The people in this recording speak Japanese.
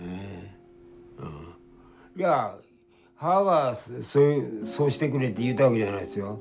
いや母がそうしてくれと言うたわけじゃないですよ。